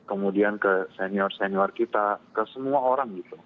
kemudian ke senior senior kita ke semua orang gitu